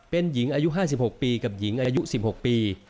เป็นหญิงอายุ๕๖ปีกับหญิงอายุ๑๖ปี